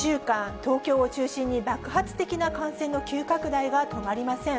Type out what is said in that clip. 東京を中心に爆発的な感染の急拡大が止まりません。